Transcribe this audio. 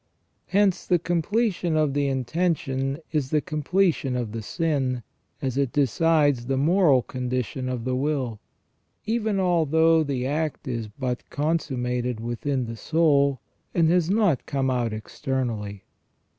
Hence the completion of the intention is the completion of the sin, as it 2t4 ON JUSTICE AND MORAL EVIL. decides the moral condition of the will ; even although the act is but consummated within the soul, and has not come out externally.